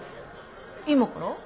今から？